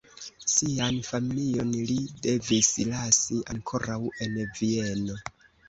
Sian familion li devis lasi ankoraŭ en Vieno.